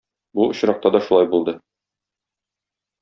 Бу очракта да шулай булды.